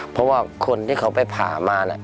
เพราะว่าคนที่เขาไปผ่ามา